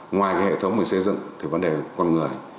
ngoài hệ thống mình xây dựng thì vấn đề con người